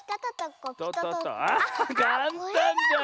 あかんたんじゃん！